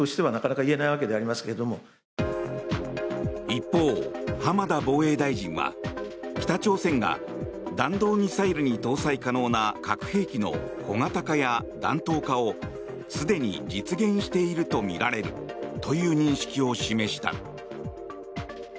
一方、浜田防衛大臣は北朝鮮が弾道ミサイルに搭載可能な核兵器の小型化や弾頭化をすでに実現しているとみられるという認識を示した。